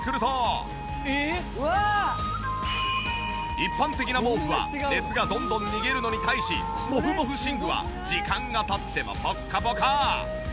一般的な毛布は熱がどんどん逃げるのに対しモフモフ寝具は時間が経ってもぽっかぽか。